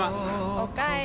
おかえり。